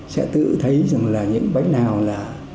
sẽ tự thấy rằng là những bánh nào là